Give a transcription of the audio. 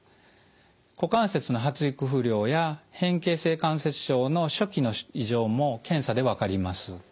股関節の発育不良や変形性関節症の初期の異常も検査で分かります。